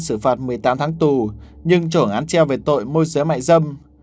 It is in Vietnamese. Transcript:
xử phạt một mươi tám tháng tù nhưng trưởng án treo về tội môi giới mại dâm